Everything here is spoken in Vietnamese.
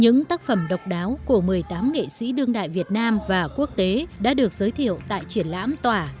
những tác phẩm độc đáo của một mươi tám nghệ sĩ đương đại việt nam và quốc tế đã được giới thiệu tại triển lãm tỏa